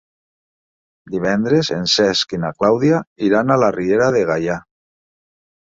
Divendres en Cesc i na Clàudia iran a la Riera de Gaià.